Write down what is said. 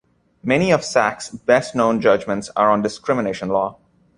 Many of Sachs's best-known judgments are on discrimination law.